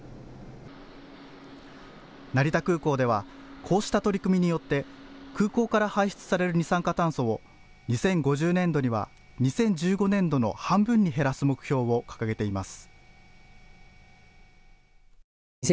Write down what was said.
成田空港では、こうした取り組みによって空港から排出される二酸化炭素を２０５０年度には２０１５年度の半分に減らす目標を掲げています。